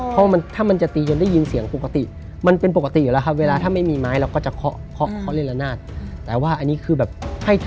เพราะมันถ้ามันจะตีจนได้ยินเสียงปกติมันเป็นปกติอยู่แล้วครับเวลาถ้าไม่มีไม้เราก็จะเคาะ